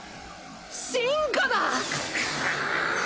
進化だ！